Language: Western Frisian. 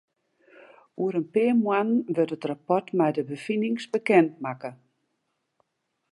Oer in pear moannen wurdt it rapport mei de befinings bekend makke.